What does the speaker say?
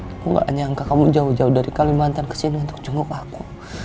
aku gak nyangka kamu jauh jauh dari kalimantan ke sini untuk jenguk aku